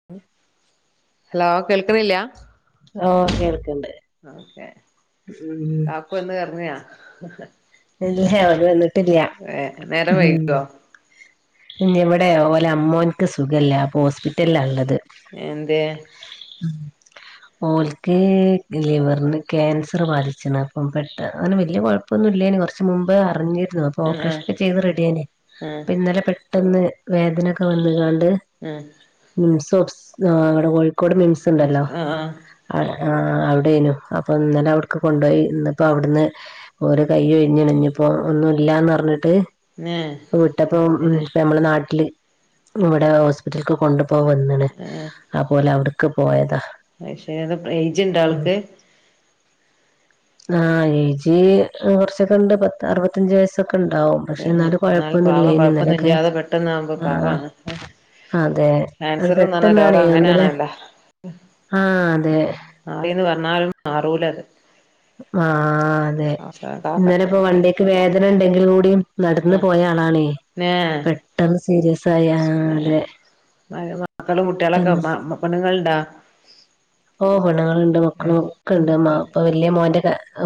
[unintelligible] Hello കേൾക്കണില്ല്യ ഓ കേൾക്ക്ണ്ട് ഓക്കെ ഉം കാക്കു എന്ന് [unintelligible] റങ്ങിയാ ഇല്ല്യ അവര് വന്നിട്ടില്ല്യ ഏ നേരം മ്ഹ് വൈകിയോ ഇന്നവിടെയാ ഓലെ അമ്മോൻക്ക് സുഖല്ല്യ അപ്പൊ ഓസ്പിറ്റലിലാ ള്ളത് എന്തേ ഉം മോൽക്ക് ലിവറിന് ക്യാൻസറ് ബാധിച്ചെണ് അപ്പം പെട്ട ങ്ങനെ വലിയ കൊഴപ്പൊന്നുല്ല്യനു റച്ച് മുമ്പ് അറിഞ്ഞിരുന്നു അപ്പോ ആഹ് ഓപ്പറേഷൻ ക്കെ ചെയ്ത് റെഡിയായ്നേ ആഹ് അപ്പ ഇന്നലെ പെട്ട് ട്ടെന്ന് വേദനൊക്കെ വന്നക്കണ്ട് ഉം മിം [unintelligible] ആ അവിടെ കോഴിക്കോട് മിംസ്ണ്ടല്ലാ ആഹ് ആഹ് ആഹ് ആ അവിടേനു അപ്പൊന്നലെ അവിടക്ക് കൊണ്ടോയി ഇന്നിപ്പോ അവിടുന്ന് ഓരു കൈഒ ഞ്ഞ്ണ്ഞ്ഞപ്പോ ഒന്നുല്ല്യന്ന്റഞ്ഞിട്ട് ന്നെ വിട്ടപ്പൊ നമ്മളെ നാട്ടില് ഇവിടെ ഹോസ്പിറ്റലക്ക് കൊണ്ടു പോക വന്നാണ് അപ്പോ അവിടക്ക് പോയതാ പക്ഷേത് ഉം. ഏജ്ണ്ടോആൾക്ക് ആ ഏജ് കുറച്ചൊക്കെ ഉണ്ട് പത്ത അറുപത്തഞ്ച് വയസ് ഒ ക്ക ഇണ്ടാവും പക്ഷെ എന്നാലും കൊഴപ്പൊന്നുല്ല പാവം ഇനി ഇന്നലൊക്കെ കൊഴപ്പൊന്നുല്ലാതെ പെട്ടെന്നാവുമ്പോ ആഹ പാവാണ് അതെ അത് ക്യാൻസർ എന്ന് പറഞ്ഞ പെട്ടെന്നാണ രോഗം ഒന്നല്ലെ അങ്ങനെയാണല്ലോ ആഹ അതെ മാറിന്ന് പറഞ്ഞാലും മാറൂലത് ആ അതെ ഇന്നലെ ഇപ്പൊ വണ്ടിയക്ക് വേദന ഉണ്ടെങ്കിലു കൂടിയും നടന്ന പോയ ആളാണേെ ന്നെ പെട്ടെന്ന് സീരിയസ് ആയിആ തെ പട്ടെന്ന് പണുങ്ങളുണ്ടാ ഓ പെണ്ണ്ങ്ങളുണ്ട് മക്കളും ഒക്കെ ഉണ്ട് ഇപ്പൊ ആഹ് വലിയ മോന്റെ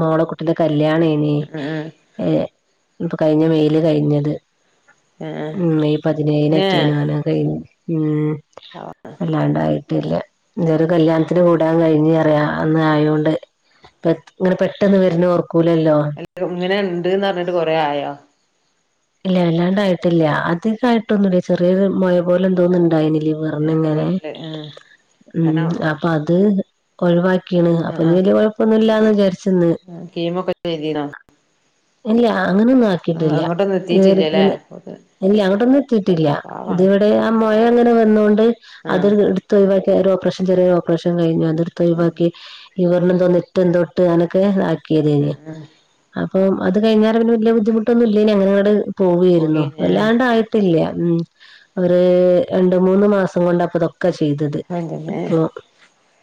മോളെ കുട്ടിയുടെ കല്യാണ ഏ. ഇപ്പൊ കഴിഞ്ഞ മെയില് കഴിഞ്ഞത് ആഹ് ഉം മെയ് പതിനേഴി ന്നെ നേറ്റായിരുന്നാലാ ഉ അല്ലാണ്ടായിട്ടില്ല ചെറ കല്യാണം ത്തിന് കൂടാൻ കഴിഞ്ഞഞ് അറിയ അന്ന് ആയോണ്ട് ഇങ്ങനെ പെട്ടെന്ന് വരുന്ന ഓർക്കൂലല്ലോ ഇങ്ങനെ ഉണ്ട്ന്ന് റഞ്ഞിട്ട് കൊറെേ ആയോ ഇല്ല അല്ലാണ്ടായിട്ടില്ല അധികയിട്ടൊന്നുമില്ല ചെറിയരു മൊഴാ പോലെ എന്തോന്നും ഇണ്ടായിനി വണിങ്ങനെ ലിവറില് ആഹ് ഉ അങ്ങനെ ആഹ് അപ്പൊ അത് ഒഴിവാക്കിണ് അപ്പൊ ആഹ് ഇനിവ ലിയ കുഴപ്പൊന്നുമില്ലാന്ന് വിചാരിച്ചന്ന് കീമൊക്കെ ചെയ്തി നോ ഇല്ല അങ്ങനൊന്നും ആക്കിട്ടില്ല അങ്ങോട്ടൊന്നും വറ എത്തിട്ടില്ലല്ലേ ഇല്ല അങ്ങോട്ടൊന്നും എത്തിട്ടില്ല ഇതി പാവാണ് ഇവിടെ ആ മുഴ അങ്ങനെ വന്നൊണ്ട് ആഹ് അതൊരു ഒഴിവാക്കി ഒരു ഓപ്പറേഷൻ ചെറിയൊരു ഓപ്പറേഷൻ കഴിഞ്ഞ് അതെടുത്തു ആഹ് ഒഴിവാക്കി ലിവറിനെന്തോ നെട്ട് എന്തോ ഇട്ട് അങ്ങനൊക്കെ ആാക്കിയ തേനി ആഹ് ആഹ് ഓംഅത് കഴിഞ്ഞാരെ വലിയ ബുദ്ധിമുട്ടൊന്നും ഇല്ല യിനി അങ്ങന അങ്ങട് പോുകയായിരുന്നു പോയിന് വല്ലാണ്ട ട്ടില്ല ഉ അവര് രണ്ട മൂന്ന് മാസം കൊണ്ടപ്പൊ ഇതൊ ഒക്കെ ചെയ്തത് ഇപ്പൊ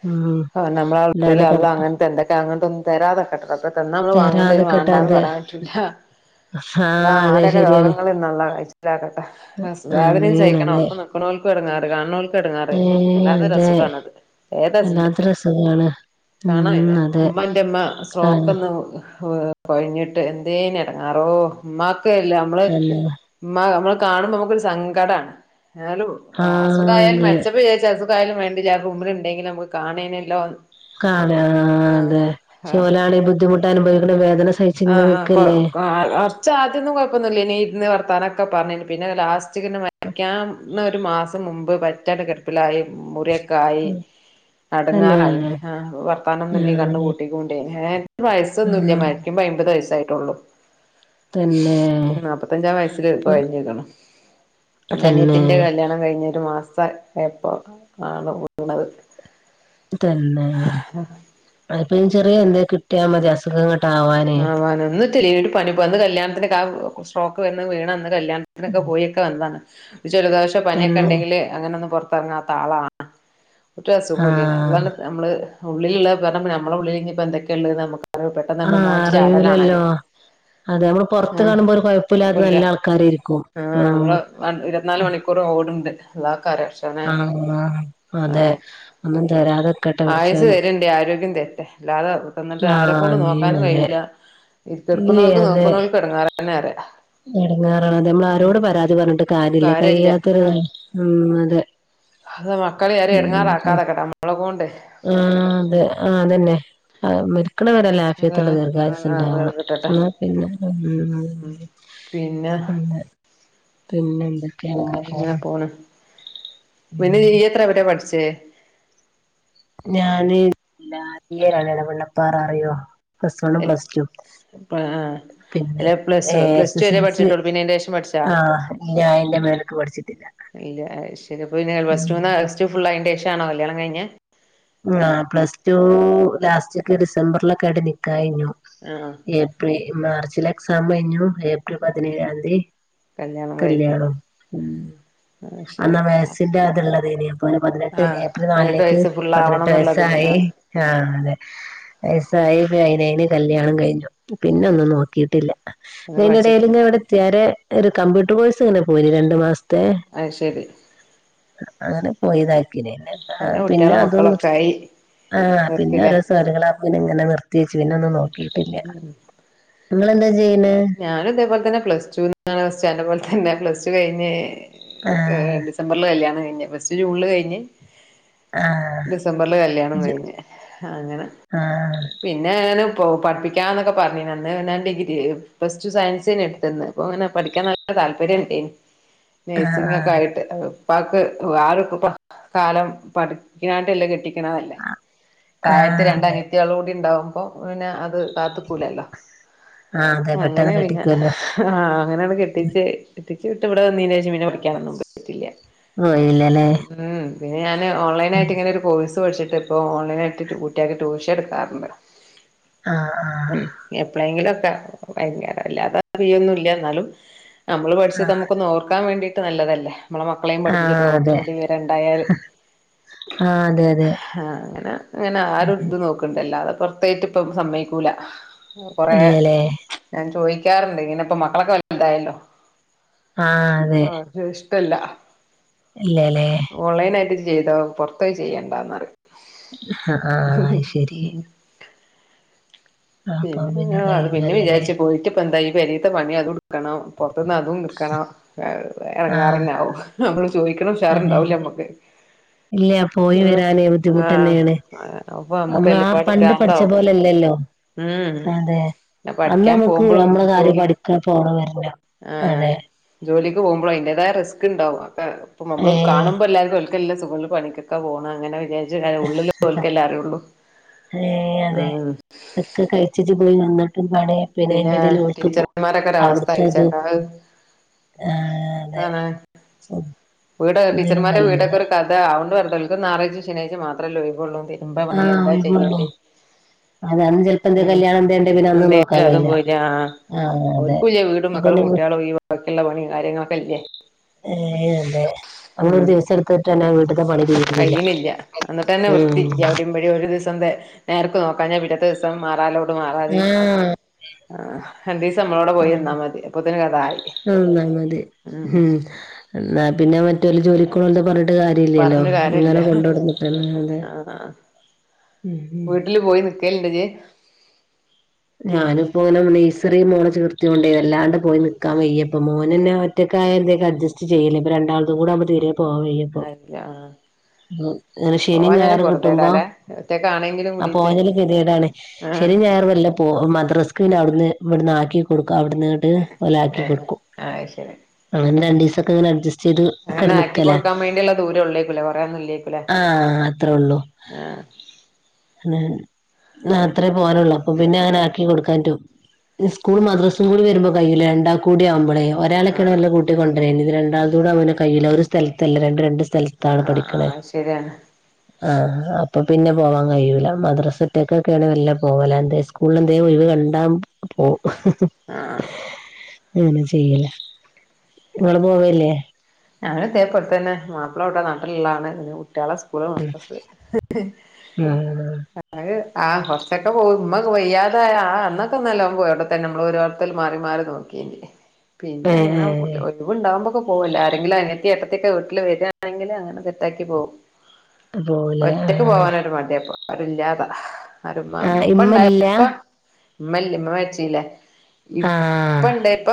ഉം ആ നമ്മളെ അവസ്ഥയിൽ അല്ലാതെ കൊഴപ്പ അള്ളഅങ്ങനത്തെ തരാതെ ഇക്കട്ടെ റബ്ബേ തന്ന നമ്മള് വാങ്ങേണ്ടിവരും തരാതെക്കട്ടെ വാണ്ട എന്ന് അതെ പറയാൻ പറ്റൂില്ല ആഹ് ആ അതെ ആരക ശരിയാണ് രോഗങ്ങന്നുള്ള കഴിച്ചിലാക്കട്ടെ വേദനയും ആമീൻ സയിക്കണം അതെ ഒപ്പ നിക്കണോർക്കും ഇടങ്ങാറ് കാണോൾക്ക ഇടങ്ങാറ് ഏഹ് വല്ലാത്ത അതെ രഅസുഖണത് ഏദാശന്റെ വല്ലാത്തൊരസുഖാണ് കാണ ഉം വയ്യ അതെ ഉമ്മ്മന്റെമ്മ ആണ് സ്രോക്കന്ന് കൊഴിഞ്ഞിട്ട് എന്തേന ഇടങ്ങാറോ ഉമ്മാക്കല്ല നമ്മള് തന്നെ ഉ നമ്മൾ കാണുമ്പോൾ നമുക്കൊരു സങ്കടമാണ് എന്നാലും അസുഖ ആഹ് ആ യാലും അതെ മരിച്ചപ്പോ വിചാരിച്ച് അസു എന്തായാലും വേണ്ടിലാ മുമ്പിലു ഉണ്ടെങ്കിൽ നമുക്ക് കാണേ യിരുന്നല്ലോ കാണ തെ ഓല ണങ്കിൽ ബുദ്ധിമുട്ട് അനുഭവിക്കണ വേദന സഹിച്ച ആ ആ കുറച്ച് ആദ്യൊന്നും കുഴപ്പൊന്നില്ല ഇ നീ ഇന്ന് വർത്താനൊക്കെ പറഞ്ഞന് പിന്നെ ലാസ്റ്റ് പച്ച വരയ്ക്കാന്ന ഒരു മാസം മുമ്പ് പറ്റാൻ കിടുപ്പിലായി മുറി ഒ കായി തന്നെ ഇടങ്ങാറായി വർത്താനം ഒന്നുന്നല്ല കണ് ആഹ് പൂട്ടിക്കൊണ്ടേ ഏ വയസ്സ് ന്നുല്ല ആഹ് മാരിക്കുമ്പ അമ്പത് വയസ്സായിട്ടുള്ളൂ തന്നെ പത്തഞ്ചാം വയസ്സിൽ കുഴഞ്ഞിരിക്ണ് അപ്പ തന്നെ അനയത്തിൻ്റെ കല്യാണം കഴിഞ്ഞൊരു മാസ എപ്പൊ ആകെ പൊട്ടുന്നത് തന്നേ അത് ചെറിയ എന്തെങ്കിലും കിട്ടിയ മതി അസുഖങ്ങൾ ആവാന് ഇന്നെത്ത് ലീവ് ഒരു പണിപ്പൊ ഇന്ന് കല്യാണത്തിനൊക്കാ സ്ട്രോക്ക് വന്ന് വീണന്ന് കല്യാണത്തിനൊക്കെ പോയി വന്നതാന്ന് ഒരു ജലദോശോ തന്നെ പനിയൊക്കെണ്ടെങ്കില് അങ്ങനൊന്നും പൊർത്തെറങ്ങാത്താളാണ് ഒറ്റ ആഹ് അസുഖൂല്ലായിനിഅതാണ് നമ്മള് ഉള്ളില ഉുള്ള പറ നമ്മള ഉള്ളിൽ ഇനി എന്തൊക്കെയ ഉള്ളത് നമുക്ക് അറി പെട്ടണ്ട നന്നായി അറിലല്ലോ അതെ നമ്മള് പുറത്ത് ആഹ് കാണുമ്പോൾ ഒരു കുഴപ്പില്ലാതെ നല്ല ആൾക്കാരായിരിക്കും ആഹ് വൺ ഇരുപതിനാല് മണിക്കൂറും ഓടുണ്ട് അള്ളകാര കത്തോണേ ആഹ് അതെ ആഹ് ഒന്നും തരാതെക്കട്ടെ ആയുസ് പടച്ചോന് തരണ്ട് ആരോഗ്യം തരട്ടെ അല്ലാതെ തന്നിട്ട് ആഹ് ആരെക്കൊണ്ട് ആമീൻ നോക്കാനും അതെ കഴിയു ല്ല ഈ ഇല്ലേ കിടക്കുന്നവർക്കും നോക്കുന്നോർക്കും ഇടങ്ങാറ തന്നെ പറയ എടങ്ങേറാണ അതേ നമ്മളാരോട് പരാതി പറഞ്ഞിട്ടും കാര്യല്ല കയ്യാത്തൊരുത് ഉം അതെ അത് മക്കളെ ആരെയും ആഹ് എടങ്ങാറാക്കാതക്കട്ടെ നമ്മളെക്കോണ്ടേ അതെ ആഹ് അതന്നെ അഹ് മ ക്ക്ണ വരല്ലെ അത് ആഫിയത്ത്ള്ള ദീർഘായുസ്ണ്ടാവണം കിട്ടട്ടെ ഇന്നാ പിന്നെ ഉം ഉം പിന്നെ പിന്നെ പിന്നെന്തൊക്കെ അങ്ങനെ പോണ് പിന്നെ ഉം നീയെത്രെവ്‌ടെ പഠ്ച്ച് ഞാന് [unintelligible] ലെടവണ്ണപ്പാറ അറിയുവോ പ്ലസ് വണ്ണും, പ്ലസ്റ്റും ആഹ് പിന്നെ അല്ല plus A plus S to S വരെ എൽ സി പഠിച്ചിട്ടുള്ളൂ പിന്നെ അയിന്റെ ശേഷം പഠിച്ചാ ആഹ് ഇല്ല അയിന്റെ മേലക്ക് പഠ്ച്ച്ട്ടില്ല ഇല്ല ഏഹ് ശരി അപ്പൊ പിന്നെ പ്ലസ്ടു ന്നാ പ്ലസ്ടു ഫുള്ളായിൻ്റെഷാണോ കല്യാണം കഴിഞ്ഞെ? ആഹ് പ്ലസ്ടൂ ലാസ്റ്റ്ക്ക് ഡിസംബർലൊക്കായിട്ട് നിക്കാഹെയ്ഞ്ഞു ആഹ് ആഹ് ഏപ്രി മാർച്ചിലെക്സാം കയ്ഞ്ഞു ഏപ്രിൽ പതിനേയാന്തി കല്യാണം ഉം ആഹ് അന്നാ ശരി വയസ്സ്ൻ്റാത്ള്ളതേയ്ന് അപ്പൊയ്ന് പതിനെട്ട് ആഹ് ഏപ്രില് പതിനെട്ട് നാലിലേക്ക് വയസ്സ് ഫുള്ളാവണം പതിനെട്ട് എന്നുള്ളതില് വയസ്സായി ആഹ് ആഹ് അതെ വയസ്സായി പതിനേയ്ന് കല്യാണം കയ്ഞ്ഞു ഉം പിന്നൊന്നും നോക്കീട്ടില്ല അത് പഠിച്ചിട്ടില്ല പിന്നയ്ൻ്റെടേല്ങ്ങനെ വ്ടെത്ത്യാരെ ഒരു കമ്പ്യൂട്ടർ കോയ് സു ഇങ്ങനെ പോയിന് രണ്ട് മാസ്ത്തെ അത് ശരി അങ്ങനെ പോയിതാക്കീന് ന്നെന്താ പിന്നെ മക്കളൊക്കായി ആഹ് പിന്നോരോ [unintelligible] ളാപ്പൊ പിന്നെ നിർത്തി വെച്ച് പിന്നൊന്നും നോക്കീട്ടില്ല ഇങ്ങളെന്താ ചെയ്യണേ ഞാനുതേപോൽതന്നെ പ്ലസ് ടുന്ന് അന്നെ പോൽതന്നെ പ്ലസ് ടു കയ്ഞ്ഞ് ആ ഏഹ് ഡിസ് ഡിസംബർല് കല്യാണം കയ്ഞ്ഞ് പ്ലസ്ടു ജൂണില് കഴിഞ്ഞ് ആ ഡിസംബർല് കല്യാണും ജ്- കയ്ഞ്ഞ് അങ്ങനെ ആ പിന്നെ ഞാന്പ്പൊ പഠ്പ്പിക്കാന്നൊക്കെ പറഞ്ഞീന്ന് അന്ന് പിന്നെ ഡിഗ്രി പ്ലസ് ടു സയൻസേനിട്ത്ത്ന്ന് അപ്പൊ ങ്ങനെ പഠിക്കാൻ നല്ല താൽപര്യണ്ടേയ്ന് ആ ആ നേഴ്സിങ്ങൊക്കായിട്ട് അത്പ്പാക്ക് [unintelligible] കാലം പഠിക്കാണ്ടെല്ലെ കെട്ടി ക്ക്ണതല്ലെ ആ തായത്ത് അതെ രണ്ടന്യേത്തോളൂടിണ്ടാവുമ്പോ പിന്നെ അത് കാത്ത്ക്കൂലല്ലോ ആ അതെ അങ്ങനെ പെട്ടെന്ന് പിന്നെ കെട്ടിക്കുമല്ലോ ആഹ് അങ്ങനാണ്ട് കെട്ടിച്ച് കെട്ടിച്ച് വിട്ട്വ്ടെ വന്നീനേഷം പിന്നെ പഠിക്കാനൊന്നും പോയി ഇല്ല്യ ഓ ഇല്ലല്ലേ ഉം പിന്നെ ഞാന് ഉം. ഓൺലൈനായ്ട്ട്ങ്ങനൊരു കോഴ്സ് പഠ്ച്ച്ട്ട്പ്പോ ഓൺലൈനായിട്ട് കുട്ട്യാക്ക് ട്യൂഷട്ക്കാറ്ണ്ട് ആഹ് ഉം എപ്പളേങ്കിലൊക്കെ ഭയങ്കര വല്ലാതെ പെയ്നൊന്നൂല്ല എന്നാലും നമ്മള് ആ പഠ്ച്ചത് നമുക്കൊന്നോർക്കാൻ വേണ്ടീട്ട് നല്ലതല്ലേ നമ്മളെ മക്കളേം ആ പഠിപ്പിച്ചൊട്ക്ക്മ്പൊ അതെ കൊറച്ച്കൂടി വിവരെണ്ടായാല് ആ അതെ അതെ ഹാ അങ്ങനെ അങ്ങനെ ഉം. ആരുട്ത് നോക്കു ണ്ടല്ലാതെ പൊർത്തോയിട്ട്പ്പം സമ്മയ്ക്കൂല കുറേ ഇല്ലല്ലേ ഞാൻ ചോയിക്കാറ്ണ്ട് ഇങ്ങനിപ്പൊ മക്കളൊക്കെ വൽതായല്ലോ ആഹ അതെ ഇഷ്ടല്ല. ഇല്ലലേ ഓൺലൈനായിട്ട് ചെയ്തോ പൊർത്തോയി ചെയ്യണ്ടാന്നറിം ആ ആ അത് ശരി ആ, അപ്പൊ പിന്നെ പിന്നെ അത് പിന്നെ കഴിയൂലല്ലേ വിചാര്ച്ച് പോയിട്ട് ഇപ്പെന്തായി പെരീത്തെ പണി അതു ട്ക്കണം പൊറത്ത്ന്ന് അതുംട്ക്കണം ഏഹ് ആ എടങ്ങേറന്നാവും നമ്മള് ചോയ്ക്ക്ണുഷാർണ്ടാവൂല മ്മക്ക് ഇല്ല്യ പോയി വരാന് ബുദ്ധിമുട്ടെന്നേണ് അപ്പൊ നമ്മുക്ക് അമ്മളാ എല്ലുംപാട് പണ്ട് പഠ്ച്ച ഭ്രാന്താവും പോലെ അല്ലെല്ലൊ ഉം അതെ പിന്നെ അന്ന് പഠിക്കാൻ നമ്ക്ക് പോകുമ്പോഴും നമ്മളെ കാര്യം ജോലി പഠി [unintelligible] പോണ വരണ്ട ആഹ് അതെ ജോലിക്ക് പോകുമ്പൊളും അയിന്റേതായ റിസ്ക്ണ്ടാവും അപ്പ ഏ പ്പംമ്മള് കാണുമ്പ ഇപ്പോ എല്ലാവുംക്കില്ല സ്കൂിൽ പണിക്കൊക്ക പോണം അങ്ങനെ വിച- ജ് എങ്ങനെ ഉള്ളില് പോലക്കല്ലേ അറിയള്ളൂ ഉ ഒ കഴിച്ചിട്ട് പോയി വന്നിട്ട് ണ പിന്നെ എന്റെ ഇടൽ ഒഓക്ക് പോ ടീച്ചർമാരൊക്കെ ഒരു അവസ്ഥ അവിടുത്തത്. അയച്ചേക്ക [unintelligible] വീട് ഒന്നിനും ടീച്ചർമാരെ കഴിയില്ല വീടൊക്കെ ഒരു കഥ അവോണ്ട് പറഞ്ഞ ഓല്ക് ഞാറയ്ച ശനിയാച്ച മാത്രമല്ലോയിവള്ളൂ. ഇ്പ ആ വണ്ടി എന്താ ഒഴിവുള്ളൂ ചെയ്യേണ്ടണ്ട്. അതെ അന്ന് ചെലപ്പോ എന്തേ ഉം കല്യാണം എന്തേ ഇണ്ടേ പിന്നെ അന്ന് നോക്കാൻ എന്തിലും അതും കഴിയില്ല പോയില്ല ആ. ആ അതെ ഓൽകും ഇല്ല വീടും അപ്പൊ മക്കളും പിന്നെ കുട്ടികളും ഈ ബാക്കിയുള്ള പണിയ കാര്യങ്ങളൊക്കെ ഇല്ലേ. ഏ അതെ അണൂറ് ഉം ദിവസം ട്ടന്നെ വീട്ടത്തെ പണി തീരുന്നില്ല കഴിയണില്ല എന്നിട്ട് തന്നെ ഉ വൃത്തിയില്ല അവിടെയും ഒരു ദിവസം നേർക്ക് നോക്കാഞ്ഞാ പിറ്റത്തെ ദിവസം മാറാലോട്ട് മാറാലിം ആഹ് രണ്ടിസം മ്മളോടെ പോയി യന്നാ മതി അപ്പൊത്തിന് കഥായി അന്നാലുമതി ഉം എന്ന പിന്നെ മറ്റേല് ജോലികോ ണോൽത് പറഞ്ഞ- ട്ട് കാര്യല്യലോ പറഞ്ഞു കാര്യല്ല ഇങ്ങനെ കൊണ്ടോട്ന്ന് കിട്ട അതെ ആഹ് ഉം ഉം വീട്ടില് പോയി നിക്കേലിണ്ട്ജ. ഞാനിപ്പോ ഇങ്ങനെ നെയ്സറി മോളെ ചേർത്ത് ല്ലാണ്ട് പോയി ഉം നിൽക്കാൻവയ്യ പ്പ ഇല്ല മോനനെ ആഹ് ഒറ്റക്കയാൽ എന്തോകെ അഡ്ജസ്റ്റ് ചെയ്ല്ല ഇപ്പ രണ്ടാളും കൂടി ആവുമ്പോ തിരെ പോവനും വയ്യ. അര്യാ ഉം ശനി ഞായർ ക് ട്ട്മ്പോ പൊറതേടാല്ലേ ഒറ്റക്കാണെങ്കിലും കൂടിട്ട് അപോയല് പിരീഡാണ് ആഹ് ശനിം ഞായറും മെലെ- മദ്രാസ്ക്ക അവിടുന്ന് ഇവിടുന്ന് ആക്കി കൊടുക്കും അവിടന്ന് ഇങ്ങട്ട് ആക്കി ഏഹ് കൊടുക്കും അത് ശരി അങ്ങന്നെ രണ്ടിസക്കങ്ങനെ അഡ്ജസ് അങ്ങനെ ആക്കി കൊടുക്കാൻ വേണ്ടിയുള്ള ദൂരം ഉള്ളേക്കല കൊറേയൊന്നുംല്ലേക്കല ആഹ് ആഹ. ന്നെ താത്രി പോവാറൊള്ളൂ അപ്പൊ പിന്നെ അങ്ങനെ ആക്കി കൊടുക്കാൻ റ്റും ഞ്സ്കൂളും മദ്രസും കൂടി വരുമ്പോ കയ്യൂല രണ്ടാക്കൂട്യാവുമ്പളേ ഒരാളൊക്കെയാണ് ആഹ് വല്ല കട്ടിക്ക കൊണ്ടര ഇത് രണ്ടാളത്തൂടെ അവന കയില്ല ഒരു സ്ഥലല്ല രണ്ട് രണ്ട് സ്ഥലത്താണ് ആഹ് പഠിക്കണ ആഹ് അത് ശരിയാണ് ആ അപ്പൊ പിന്നെ പോവാ- കയൂല്ല മദ്രസറ്റക്കൊക്കെയാണ് മെലെ പോവല എന്തേ സ്കൂളിൽ എന്ത ഒഴിവ കണ്ടാ. അപ്പോ ആഹ് അങ്ങനെ ചെയ്യല. നിങ്ങൾ പോവല്ലേ. ഞാന ഇതേപോലെ തന്നെ മാപ്പിളവിടെ നാട്ടിലുള്ളാണ് പിനെ കുട്യാളെ സ്കൂല് മദ്രസ്സ് ആഹ് അ ആ കുറച്ചൊക്കെ പോയിമ്മ വയ്യാതായ അന്നൊക്കെന്നല്ലക പോ അവിടെത്തന്നെ നമ്മള് ഒരു- ത്തിൽ മാറി മാറി നോക്കി പിന്നെ അങ്ങന ഏഹ് ഏഹ് ഒഴിവുണ്ടാകുമ്പൊക്ക പോവും ആരെങ്കിലും അനിയത്തി ഏട്ടത്തി വീട്ടിൽ വരാണെങ്കിൽ അങ്ങനെ സെറ്റാക്കി പോകും പോവൂലേ ഒറ്റക്ക് ആഹ് പോവാന് ഒരു മടിഇപ്പം അരില്ലാതാ ആര മാ ആഹ് ഇപ്പ ഇണ്ടായ ഇമ്മല്ല ഇപ്പ ഇമ്മല്ല ഇമ്മ മര്ച്ചീലെ ആഹ് ഇപ്പണ്ട് ഇപ്പ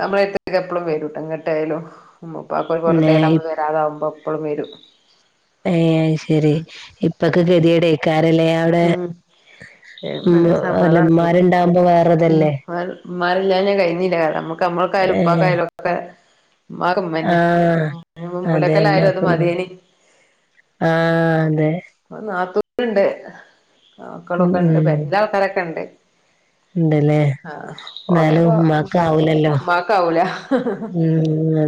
ന മള്അടുത് കൊകെ എപ്പോഴും വരും ഇങ്ങട്ടയാലും ഉമ്മു ഉപ്പാക് ഒരു പിന്നെ പൊറുതെട നമ്മൾ വരാതാവുമ്പോ എപ്പഴും വരും. ഏ ശെരി ഇപ്പൊക്ക കെതിടേക്കാരല്ലേ അവിടെ നെ ഉം അല്ല സമാധാനല്ല ഇമ്മാരുണ്ടാവുമ്പോ ഉ വേറെതല്ലേ മാരിലാഞാ കഴിഞ്ഞീല്ല കഥ നമുക്ക് ക്കമ്മൾക്കായാലു ഏഹ് ഉപ്പാക്കായലൊക്കെ. ഉമ്മാക്ക്മ്മന്നെ ആഹ് മ് മൂ അതെ മൂലക്കലായാലും അത് ഇമ്മാക്ക് മത്യേനി. ആഹ് അതെ. ഇപ്പൊ നാത്തൂന്ണ്ട് ഉം മക്കളൊക്കെണ്ട് ഉം പെരീലാൾക്കാരൊക്കെണ്ട്. ഉണ്ടല്ലേ ആഹ് എന്നാലും പോണേപോവാ ഉമ്മാക്കാവൂലല്ലോ മ്മാക്കാവൂല.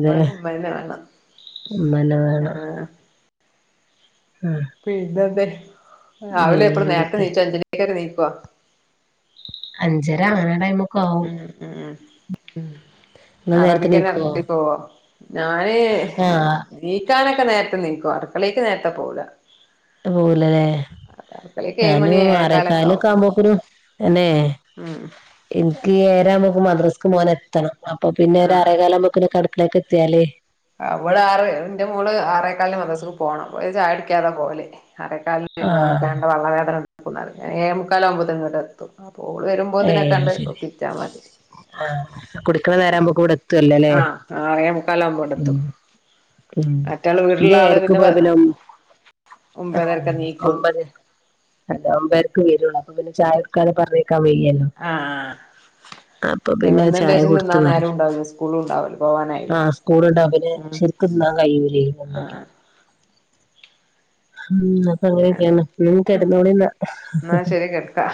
ഉമ്മാക്ക് ഉമ്മന്നെമാണം. മ്മന്നെ വേണം. ഹ്മ്. പിന്നെന്തെഹ് രാവിലെ എപ്പളും നേര്ത്തെ പിന്നെന്തൊക്കെ നീച്ചൽണ്ടാജ് [unintelligible] നീക്കോ. അഞ്ചര അങ്ങനടൈമ്. ഉം ഉം ഇങ്ങള് നേരത്തെ ആറണ്ണിക്കന്നെ എണീക്കോ എർത്തി പോവൊ. ഞാന് ഹ് ആഹ് നീക്കാനൊക്കെ നേര്ത്തെ നീക്കും അടുക്കളേക്ക് നേര്ത്തെ പോവുല. അഹ് പോവൂലലെ. ഏഴ് ഞാന് മണി ഏഴേകാലൊക്കെ ആവും ആറെക്കാലൊക്കാവുമ്പോക്ക്നു എന്നെ. ഉം ഇൻക്ക് ഏയരാവുമ്പോക്ക് മദ്രസ്ക്ക് മോനെത്തണം അപ്പൊ പിന്നെ ഒര് ആഹ് അറേ കാലാവുമ്പോക്കിനൊക്കെ അട്ക്കളേക്കെത്തിയാല്. അവള് ആറ് എന്റെ മോള് ആറേകാലിന് മദ്രസ്ക്ക് പോണം അപ്പഹ് ചായുടിക്കാതെ പോവൽ ആറേക്കാൽ. [unintelligible] ആഹ് വേണ്ട പള്ള വേദന ഇട്ക്കുന്നറിം ഏയെമുക്കാലാവുമ്പോത്തിന് ഇങ്ങട്ടെത്തും. അപ്പൊ ഓൾ ഏഹ് വരുമ്പോത്തിനൊക്കെ അത് ആണ്ട് ശരി ഒപ്പിച്ചാ മതി. കുടിക്കണ നേരാകുമ്പോ ഇവിടെ എത്തുവല്ലോ അല്ലേ ആഹ് ഉം ആറേമുക്കാലാവുമ്പോണ്ടെത്തും. ഉം ഇത് ഏയര്ക്ക്‌ പോയാ പിന്നെ ഒം ആഹ് ഒമ്പതരക്കെ നീക്കൊള്ളൂ ഒമ്പത്. അല്ല ഒമ്പെര്ക്ക് വരുള്ളൂ അപ്പ പിന്നെ ചായൊട്ക്കാതെ പറഞ്ഞേക്കാ വയ്യല്ലോ. ആഹ്. അ. അപ്പൊ പിന്നെ ചായ വന്നേന്റേഷം കൊട്ത്ത് തിന്നാൻ നേരം പറഞ്ഞേ ഉണ്ടാവൂല സ്കൂളും ഉണ്ടാവൂല ആ പോവാനായില്ലേ സ്കൂളുണ്ട ഉം പിന്നെ ഉം ശ തിന്നാ കൈയൂലെ ഹ്മ്. ആഹ് അങ്ങനൊക്കെയാണ് ഹ്മ് കെട്ന്നോളിന്നാ എന്നാ ഹ് ഹ് ശരി കെടക്കാ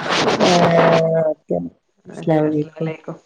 ഏഹ് ഓക്കെ. ശരി അസ്സലാമു അസ്ലാമൊലൈകും. അലൈക്കും